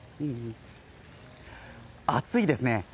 暑いですね。